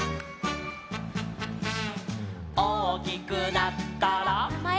「おおきくなったら」なまえ！